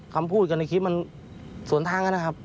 คำพูดกันในคลิปมันสวนทางกันนะครับ